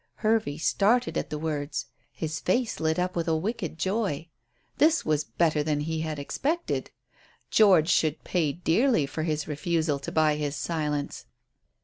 Hervey started at the words. His face lit up with a wicked joy. This was better than he had expected. George should pay dearly for his refusal to buy his silence.